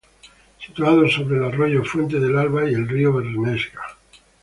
Situado sobre el Arroyo Fuente de Alba y el río Bernesga.